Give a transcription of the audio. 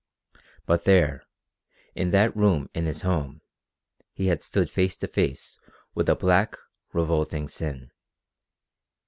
But there, in that room in his home, he had stood face to face with a black, revolting sin.